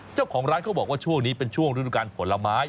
เจ้าของร้านเขาบอกว่าช่วงนี้เป็นช่วงฤดูการผลไม้